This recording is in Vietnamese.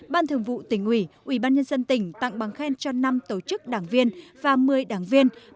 ban thường vụ tỉnh ủy ủy ban nhân dân tỉnh tặng bằng khen cho năm tổ chức đảng viên và một mươi đảng viên